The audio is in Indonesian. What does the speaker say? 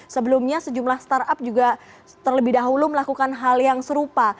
sebelumnya sejumlah startup juga terlebih dahulu melakukan hal yang serupa